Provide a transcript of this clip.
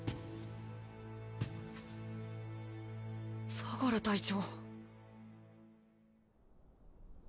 相楽隊長。